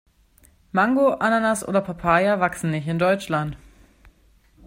Mango, Ananas oder Papaya wachsen nicht in Deutschland.